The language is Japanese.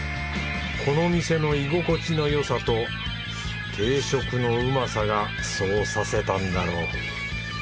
この店の居心地のよさと定食のうまさがそうさせたんだろう。